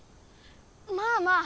まあまあ。